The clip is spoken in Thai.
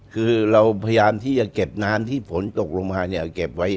คือเราพยายามที่จะเก็บน้ำที่ฝนตกลงมาเนี่ยเก็บไว้